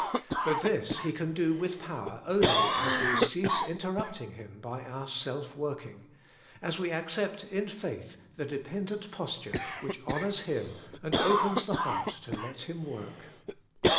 But this He can do with power only as we cease interrupting Him by our self working, — as we accept in faith the dependent posture which honours Him and opens the heart to let Him work.